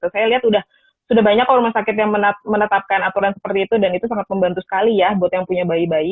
saya lihat sudah banyak rumah sakit yang menetapkan aturan seperti itu dan itu sangat membantu sekali ya buat yang punya bayi bayi